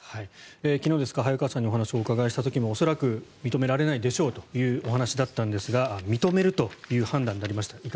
昨日、早川さんにお話をお伺いした時も恐らく認められないでしょうというお話だったんですが認めるという判断になりました